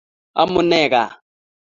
amunee gaa